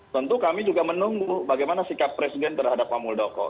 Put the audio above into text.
tentu kami juga menunggu bagaimana sikap presiden terhadap pak muldoko